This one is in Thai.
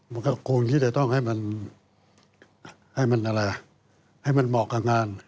มันก็คงที่จะต้องให้มันเหมาะกับงาน